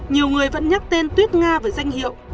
nhiều người vẫn nhắc tên tuyết nga với danh hiệu